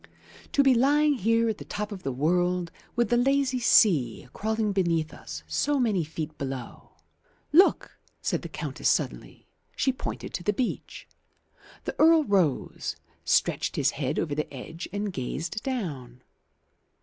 To be lying here, at the top of the world, with the lazy sea crawling beneath us so many feet below " "Look," said the Countess suddenly. She pointed to the beach. The Earl rose, stretched his head over the edge and gazed down.